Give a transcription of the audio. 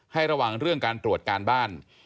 ให้ระวังเรื่องการตรวจการบ้าน